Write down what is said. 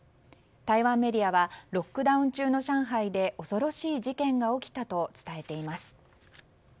台湾メディアはロックダウン中の上海で恐ろしい事件が起きたと伝えています。